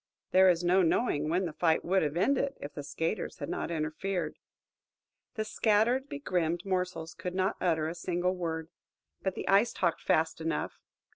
There is no knowing when the fight would have ended, if the skaters had not interfered. The scattered, begrimed morsels could not utter a single word. But the Ice talked fast enough.